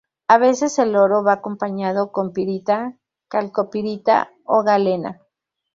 A veces el oro va acompañado con pirita, calcopirita o galena.